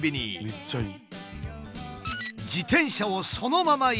めっちゃいい！